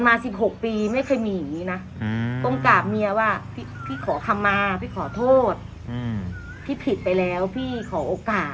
ว่าพี่ขอคมาพี่ขอโทษอืมพี่ผิดไปแล้วพี่ขอโอกาสอย่าง